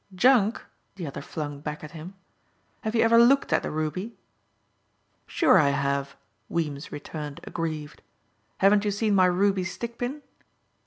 "Junk!" the other flung back at him. "Have you ever looked at a ruby?" "Sure I have," Weems returned aggrieved. "Haven't you seen my ruby stick pin?"